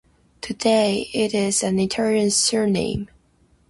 Today it is an Italian surname.